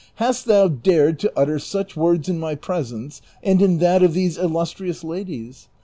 Hast thou dared to utter such words in my presence and in that of these illustrious ladies